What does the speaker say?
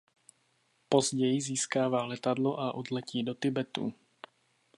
Později získává letadlo a odletí do Tibetu.